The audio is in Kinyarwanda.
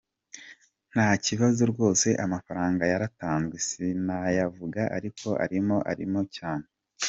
Ati "Nta kibazo rwose amafaranga yaratanzwe, sinayavuga ariko arimo, arimo cyane.